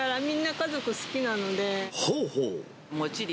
ほうほう。